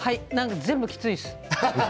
全部きついです。